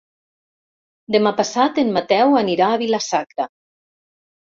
Demà passat en Mateu anirà a Vila-sacra.